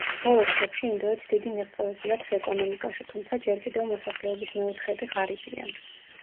ბოლო წლებში ინდოეთს დიდი მიღწევები აქვს ეკონომიკაში, თუმცა ჯერ კიდევ მოსახლეობის მეოთხედი ღარიბია.